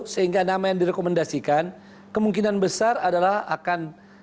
sehingga nama yang direkomendasikan kemungkinan besar adalah akan in line denganiterasi ulama